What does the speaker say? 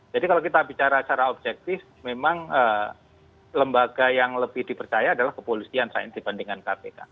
jadi kalau kita bicara secara objektif memang lembaga yang lebih dipercaya adalah kepolisian lain dibandingkan kpk